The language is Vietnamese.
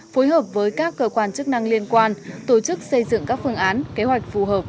phối hợp với các cơ quan chức năng liên quan tổ chức xây dựng các phương án kế hoạch phù hợp